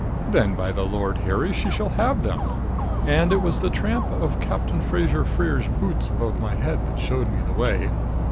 Then, by the Lord Harry, she shall have them! And it was the tramp of Captain Fraser Freer's boots above my head that showed me the way.